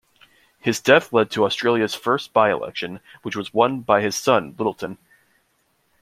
His death led to Australia's first by-election, which was won by his son Littleton.